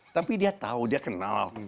tapi dia tahu dia kenal